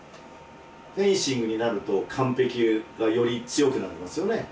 フェンシングになると完璧がより強くなりますよね。